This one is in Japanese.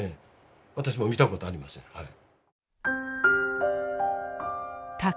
私も見たことありませんはい。